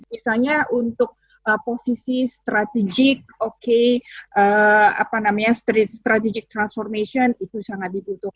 misalnya untuk posisi strategik strategic transformation itu sangat dibutuhkan